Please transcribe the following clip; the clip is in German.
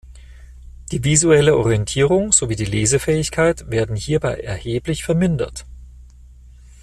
Die visuelle Orientierung sowie die Lesefähigkeit werden hierbei erheblich vermindert.